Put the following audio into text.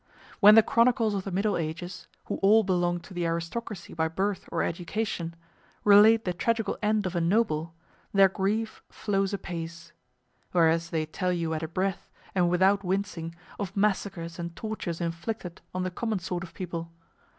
When the chroniclers of the Middle Ages, who all belonged to the aristocracy by birth or education, relate the tragical end of a noble, their grief flows apace; whereas they tell you at a breath, and without wincing, of massacres and tortures inflicted on the common sort of people.